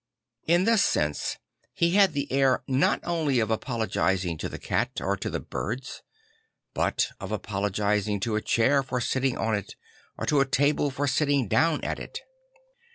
In this sense he had t1 e air not only of apologising to the cat or to tl:e birds, but of apologising to a chair for sitting en it or to a table for sitting down at it.